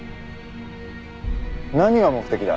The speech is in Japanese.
何が目的だ？